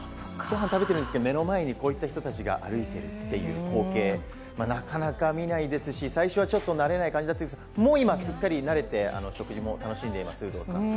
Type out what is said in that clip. ごはん食べてるんですけど目の前にこういった人たちが歩いている光景は、なかなか見ないですし最初はちょっと慣れない感じでしたがもう今はすっかり慣れて食事も楽しんでいます。